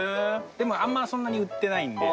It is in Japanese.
でもあんまそんなに売ってないんで。